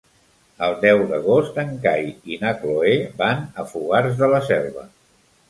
El deu d'agost en Cai i na Cloè van a Fogars de la Selva.